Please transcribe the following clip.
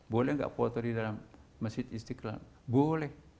boleh nggak foto di dalam masjid istiqlal boleh